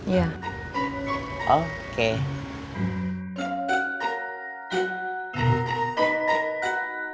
kamu yang pinggir